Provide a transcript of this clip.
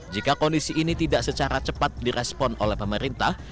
jika kondisi ini tidak secara cepat direspon oleh pemerintah